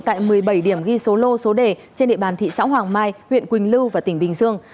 tại một mươi bảy điểm ghi số lô số đề trên địa bàn thị xã hoàng mai huyện quỳnh lưu và tỉnh bình dương